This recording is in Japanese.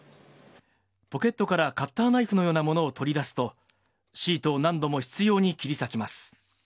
ポケットからカッターナイフのようなものを取り出すと、シートを何度も執ように切り裂きます。